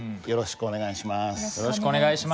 よろしくお願いします。